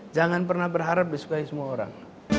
jangan pernah berharap disukai semua orang